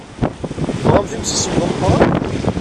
Tebɣamt imsismeḍ d ameqran.